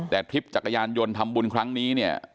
แต่ทริปจักรยานยนต์ทำบุญครั้งนี้เนี่ย